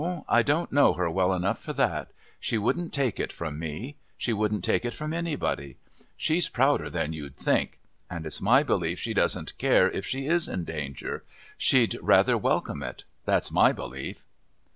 I don't know her well enough for that. She wouldn't take it from me. She wouldn't take it from anybody. She's prouder than you'd think. And it's my belief she doesn't care if she is in danger. She'd rather welcome it. That's my belief."